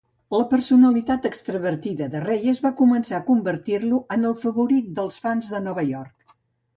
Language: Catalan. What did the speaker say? La personalitat extravertida de Reyes va començar a convertir-lo en el favorit dels fans de Nova York.